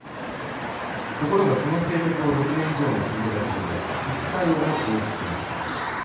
ところが、この政策を６年以上も続けたことで副作用も大きくなっています。